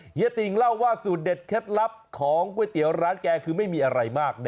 เยติ่งเล่าว่าสูตรเด็ดเคล็ดลับของก๋วยเตี๋ยวร้านแกคือไม่มีอะไรมาก